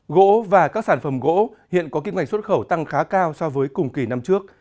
gỗ và các sản phẩm gỗ hiện có kim ngạch xuất khẩu tăng khá cao so với cùng kỳ năm trước